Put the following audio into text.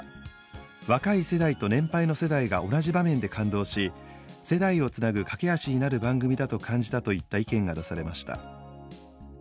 「若い世代と年配の世代が同じ場面で感動し世代をつなぐ懸け橋になる番組だと感じた」といった意見が出されました。